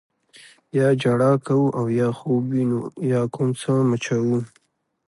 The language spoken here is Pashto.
یا ژړا کوو او یا خوب وینو یا کوم څه مچوو.